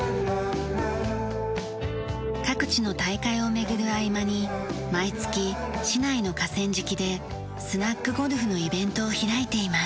各地の大会を巡る合間に毎月市内の河川敷でスナッグゴルフのイベントを開いています。